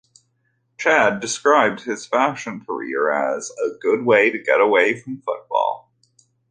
Chad described his fashion career as "a good way to get away from football".